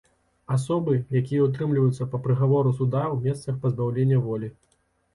Асобы, якія ўтрымліваюцца па прыгавору суда ў месцах пазбаўлення волі.